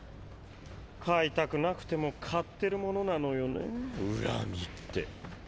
買いたくなくても買ってるものなのよねぇ恨みって。